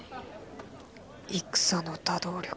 「戦の多動力」。